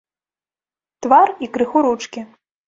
Твар і крыху ручкі.